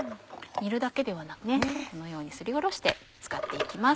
煮るだけではなくこのようにすりおろして使って行きます。